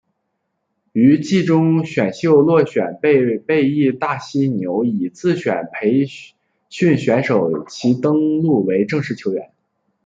于季中选秀落选被被义大犀牛以自主培训选手其登录为正式球员。